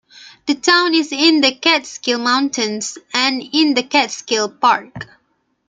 The town is in the Catskill Mountains and in the Catskill Park.